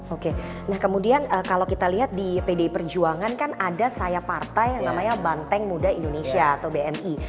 oke nah kemudian kalau kita lihat di pdi perjuangan kan ada saya partai yang namanya banteng muda indonesia atau bmi